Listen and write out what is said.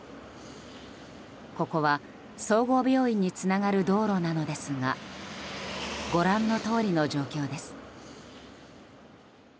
ここは総合病院につながる道路なのですがご覧のとおりの状況です。